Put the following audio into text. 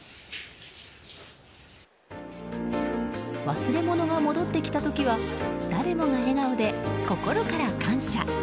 忘れ物が戻ってきた時は誰もが笑顔で心から感謝。